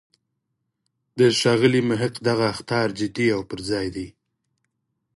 د ښاغلي محق دغه اخطار جدی او پر ځای دی.